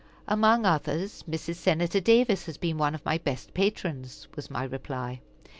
"Among others, Mrs. Senator Davis has been one of my best patrons," was my reply.